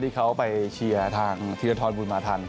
ที่เขาไปเชียร์ทางธีรทรบุญมาทัน